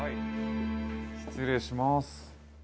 失礼します。